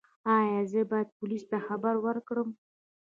ایا زه باید پولیسو ته خبر ورکړم؟